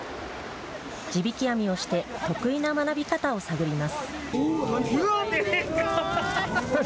地引き網をして得意な学び方を探ります。